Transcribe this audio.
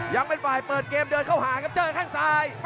ยังเป็นฝ่ายเปิดเกมเดินเข้าหาครับเจอแข้งซ้าย